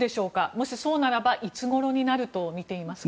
もし、そうならばいつごろになるとみていますか。